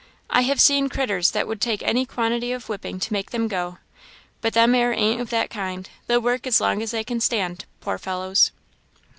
"I have seen critters that would take any quantity of whipping to make them go, but them 'ere ain't of that kind; they'll work as long as they can stand, poor fellows!"